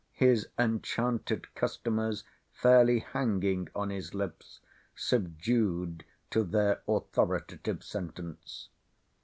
his enchanted customers fairly hanging on his lips, subdued to their authoritative sentence.